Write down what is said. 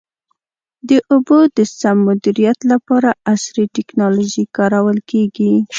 د اوبو د سم مدیریت لپاره عصري ټکنالوژي کارول کېږي.